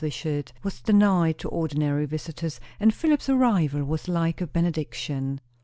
Wishart was denied to ordinary visitors; and Philip's arrival was like a benediction.